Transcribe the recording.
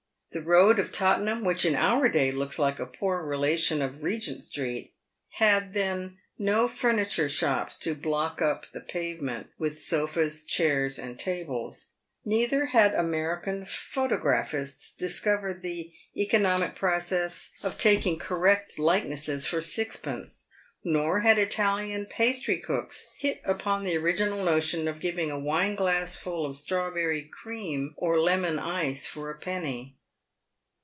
The road of Tottenham, which in our day looks like a poor relation of Regent street, had then no furniture shops to block up the pavement with sofas, chairs, and tables ; neither had American photographists discovered the economic process of taking correct likenesses for sixpence ; nor had Italian pastrycooks hit upon the original notion of giving a wine glassful of strawberry cream or lemon ice for a penny.